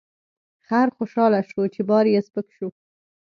خر خوشحاله شو چې بار یې سپک شو.